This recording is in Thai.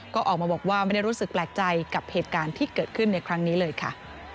ก็ออกมาบอกว่าไม่ได้รู้สึกแปลกใจกับเหตุการณ์ที่เกิดขึ้นในครั้งนี้เลยค่ะ